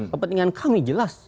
kepentingan kami jelas